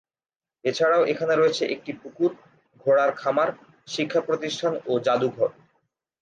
এছাড়াও এখানে রয়েছে একটি পুকুর, ঘোড়ার খামার, শিক্ষা প্রতিষ্ঠান ও জাদুঘর।